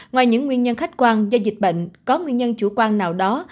ngoài những nguyên nhân khách quan do dịch bệnh có nguyên nhân chủ quan nào đó